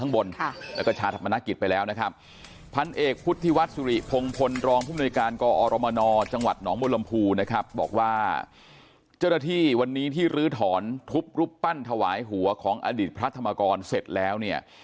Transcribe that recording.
บอกว่าเจ้าหน้าที่วันนี้ที่ลื้อถอนทุบรุปปั้นถวายหัวของอดิษฐ์พระธรรมกรเสร็จแล้ว